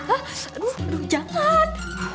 aduh aduh jangan